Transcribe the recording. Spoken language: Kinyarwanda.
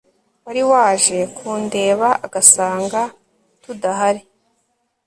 wari waje kundeba agasanga tudahari